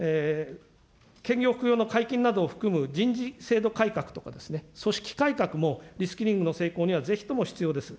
兼業、副業の解禁などを含む、人事制度改革とか、組織改革もリ・スキリングの成功にはぜひとも必要です。